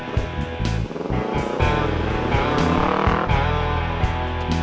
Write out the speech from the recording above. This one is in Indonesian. tuan mudo saktu